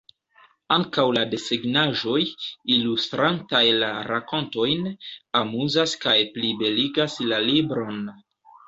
Ankaŭ la desegnaĵoj, ilustrantaj la rakontojn, amuzas kaj plibeligas la libron.